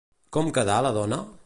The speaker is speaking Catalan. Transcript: Com quedà la dona?